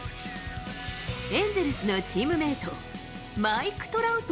エンゼルスのチームメート、マイク・トラウト。